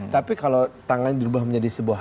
tapi kalau tangga diubah menjadi sebuah